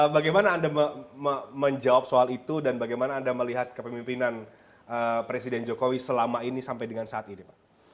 bagaimana anda menjawab soal itu dan bagaimana anda melihat kepemimpinan presiden jokowi selama ini sampai dengan saat ini pak